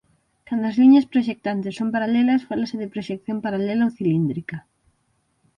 Cando as liñas proxectantes son paralelas fálase de proxección paralela ou cilíndrica.